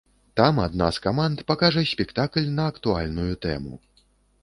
Там адна з каманд пакажа спектакль на актуальную тэму.